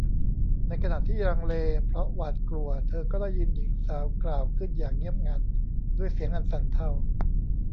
ในขณะที่ลังเลเพราะหวาดกลัวเธอก็ได้ยินหญิงสาวกล่าวขึ้นอย่างเงียบงัน ด้วยเสียงอันสั่นเทา